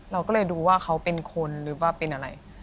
เราก็เลยดูว่าเขาเป็นคนหรือว่าเป็นอะไร